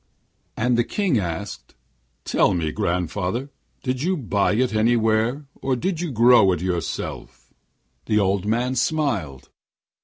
And the King asked: 'Tell me, grandfather, did you buy it anywhere, or did you grow it all yourself?' The old man smiled.